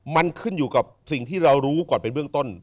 มันขึ้นอยู่กับสิ่งที่เรารู้ก่อนเป็นเบื้องต้น